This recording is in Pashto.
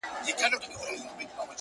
په هغې باندي چا کوډي کړي;